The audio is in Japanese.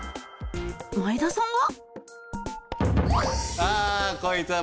前田さんは？